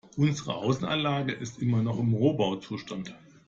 Unsere Außenanlage ist immer noch im Rohbauzustand.